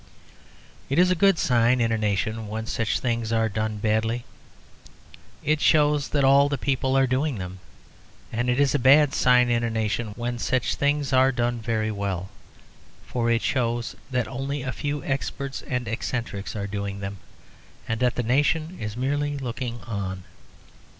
It is a good sign in a nation when such things are done badly. It shows that all the people are doing them. And it is a bad sign in a nation when such things are done very well, for it shows that only a few experts and eccentrics are doing them, and that the nation is merely looking on.